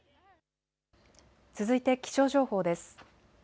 続いて気象情報です。